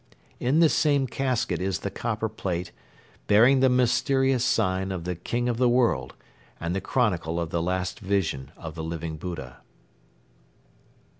In this same casket is the copper plate bearing the mysterious sign of the "King of the World" and the chronicle of the last vision of the Living Buddha.